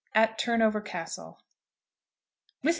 AT TURNOVER CASTLE. Mrs.